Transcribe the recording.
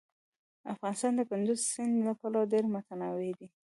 افغانستان د کندز سیند له پلوه ډېر متنوع دی.